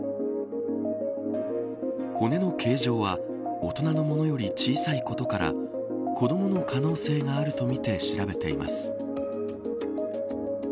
骨の形状は大人のものより小さいことから子どもの可能性があるとみて調べています。